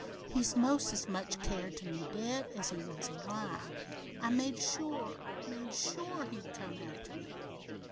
He's 'most as much care to me dead as he was alive I made sure made sure he'd come after me!"